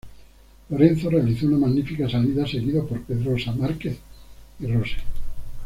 Lorenzo realiza una magnífica salida seguido por Pedrosa, Márquez y Rossi.